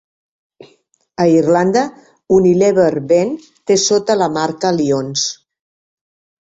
A Irlanda, Unilever ven te sota la marca Lyons.